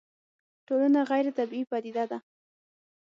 ټولنه غيري طبيعي پديده ده